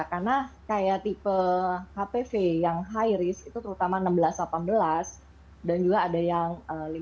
karena kayak tipe hpv yang high risk itu terutama enam belas delapan belas dan juga ada yang lima puluh delapan lima puluh dua